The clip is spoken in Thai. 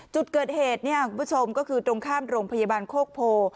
จุดเกิดเหตุเนี่ยคุณผู้ชมก็คือตรงข้ามโรงพยาบาลโคกโพ